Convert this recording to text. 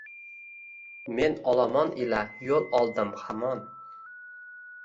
Men olomon ila yo’l oldim hamon